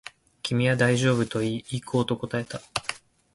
君は大丈夫と言い、行こうと答えた